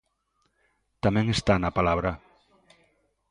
Tamén está na palabra.